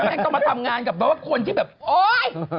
แม่งต้องมาทำงานกับแบบว่าคนที่แบบโอ๊ย